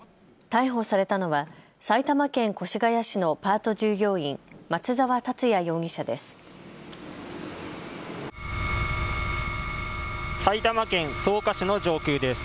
逮捕されたのは埼玉県越谷市のパート従業員、松澤達也容疑者です。